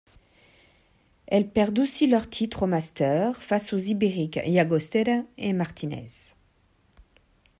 Elles perdent aussi leur titre aux Masters face aux Ibériques Llagostera et Martínez.